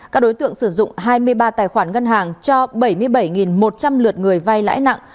các đối tượng sử dụng hai mươi ba tài khoản ngân hàng cho bảy mươi bảy một trăm linh lượt người vay lãi nặng